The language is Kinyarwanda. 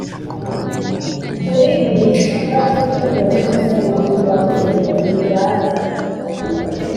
Kuri buri kibazo cyo mu Isuzumabumenyi ribanza